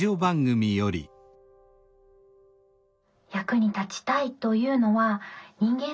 役に立ちたいというのは人間